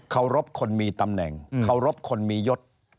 รบคนมีตำแหน่งเคารพคนมียศ